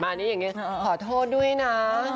นี้อย่างนี้ขอโทษด้วยนะ